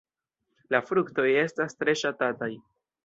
La fruktoj estas tre ŝatataj.